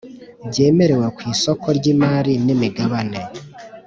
byemerewe ku isoko ry imari n imigabane